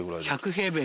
１００平米！？